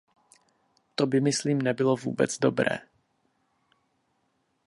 To by myslím nebylo vůbec dobré.